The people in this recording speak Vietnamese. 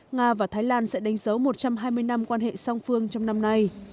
nga và thái lan sẽ đánh dấu một trăm hai mươi năm quan hệ song phương trong năm nay